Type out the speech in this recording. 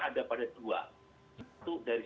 ada pada dua itu dari